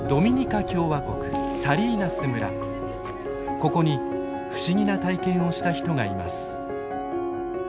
ここに不思議な体験をした人がいます。